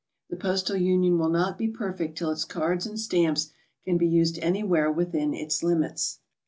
The Postal Union will not be perfect till its cards and stamps can be used anywhere within its limits.